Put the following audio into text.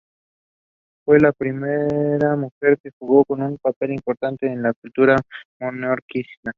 Fue la primera mujer que jugó un papel importante en la cultura menorquina.